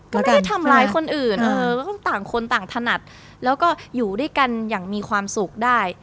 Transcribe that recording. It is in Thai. แล้วก็ทำร้ายคนอื่นต่างคนต่างถนัดแล้วก็อยู่ด้วยกันอย่างมีความสุขได้